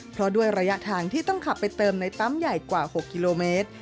เพราะด้วยระยะทางที่ต้องขับไปเติมในปั๊มใหญ่กว่า๖กิโลเมตร